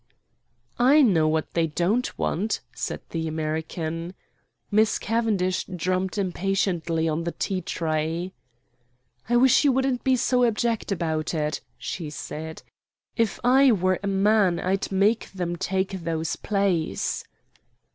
"I know what they don't want," said the American. Miss Cavendish drummed impatiently on the tea tray. "I wish you wouldn't be so abject about it," she said. "If I were a man I'd make them take those plays."